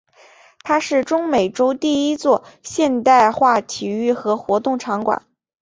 它是中美洲第一座现代化体育和活动场馆。